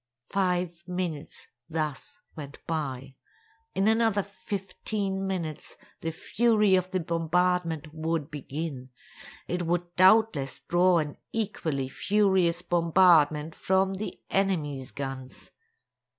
Five minutes thus went by! In another fifteen minutes, the fury of the bombardment would begin; it would doubtless draw an equally furious bombardment from the enemy's guns.